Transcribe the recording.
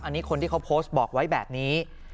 อันนี้คนที่เขาโพสต์บอกไว้แบบนี้